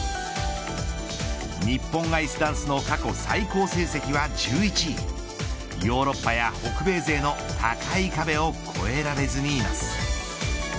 日本アイスダンスの過去最高成績は１１位ヨーロッパや北米勢の高い壁を越えられずにいます。